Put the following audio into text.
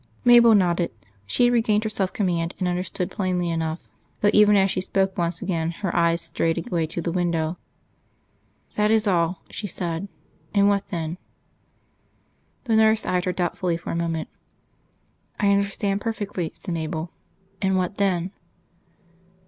Mabel nodded. She had regained her self command, and understood plainly enough, though even as she spoke once again her eyes strayed away to the window. "That is all," she said. "And what then?" The nurse eyed her doubtfully for a moment. "I understand perfectly," said Mabel. "And what then?"